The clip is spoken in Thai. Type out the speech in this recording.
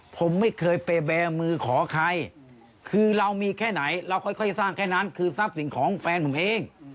ผมไม่เคยไปแบร์มือขอใครคือเรามีแค่ไหนเราค่อยสร้างแค่นั้นคือทรัพย์สินของแฟนผมเอง